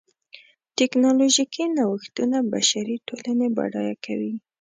ټکنالوژیکي نوښتونه بشري ټولنې بډایه کوي.